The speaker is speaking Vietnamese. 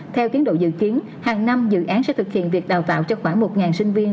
theo tiến độ dự kiến hàng năm dự án sẽ thực hiện việc đào tạo cho khoảng một sinh viên